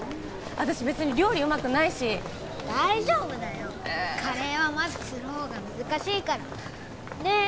私別に料理うまくないし大丈夫だよカレーはまずくする方が難しいからねえ